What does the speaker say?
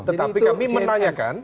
tetapi kami menanyakan